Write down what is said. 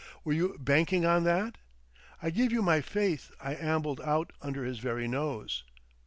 Were you banking on that? I give you my faith I ambled out under his very nose!